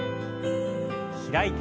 開いて。